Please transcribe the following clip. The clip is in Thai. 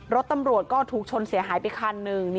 รถตำรวจก็ถูกชนเสียหายไปคันหนึ่ง